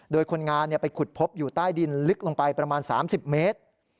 โดยคนงานไปขุดพบอยู่ใต้ดินลึกลงไปประมาณ๓๐เมตร